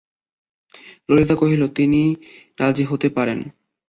ললিতা কহিল, তা তিনি রাজি হতে পারেন।